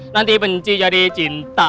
nanti benci jadi cinta